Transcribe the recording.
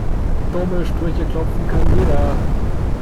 Dumme Sprüche klopfen kann jeder.